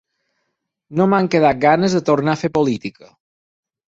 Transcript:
No m’han quedat ganes de tornar a fer política.